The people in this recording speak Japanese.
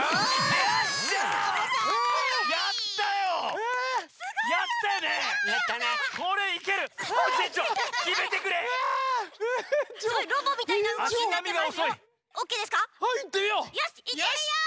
よしいってみよう！